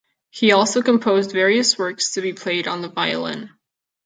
He also composed various works to be played on the violin.